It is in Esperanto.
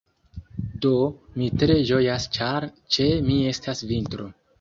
Do, mi tre ĝojas ĉar ĉe mi estas vintro